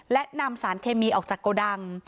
และนำสารเคมีออกจากโกดัง